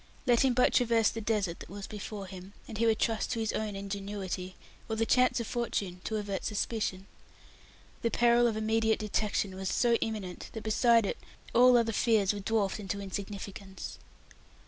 Let him but traverse the desert that was before him, and he would trust to his own ingenuity, or the chance of fortune, to avert suspicion. The peril of immediate detection was so imminent that, beside it, all other fears were dwarfed into insignificance.